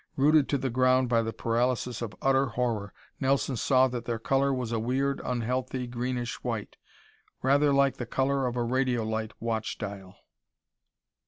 Rooted to the ground by the paralysis of utter horror, Nelson saw that their color was a weird, unhealthy, greenish white, rather like the color of a radio light watch dial.